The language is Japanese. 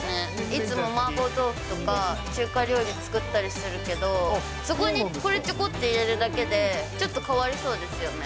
いつも麻婆豆腐とか、中華料理作ったりするけど、そこにこれちょこっと入れるだけで、ちょっと変わりそうですよね。